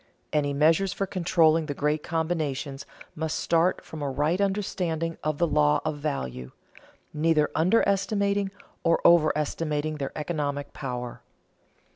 Any measures for controlling the great combinations must start from a right understanding of the law of value, neither underestimating nor overestimating their economic power.